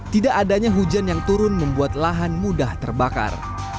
tidak adanya hujan yang turun membuat lahan mudah terbakar